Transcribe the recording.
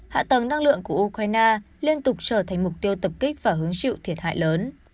hạ tầng năng lượng của ukraine liên tục trở thành mục tiêu tập kích và hứng chịu thiệt hại lớn